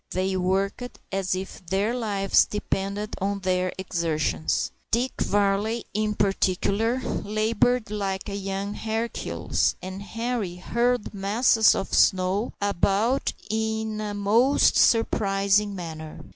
They worked as if their lives depended on their exertions. Dick Varley, in particular, laboured like a young Hercules, and Henri hurled masses of snow about in a most surprising manner.